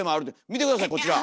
見て下さいこちら！